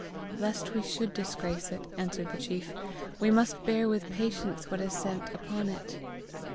"Lest we should disgrace it," answered the chief, "we must bear with patience what is sent upon it."